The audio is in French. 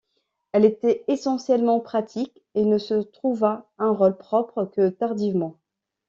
Elle était essentiellement pratique et ne se trouva un rôle propre que tardivement.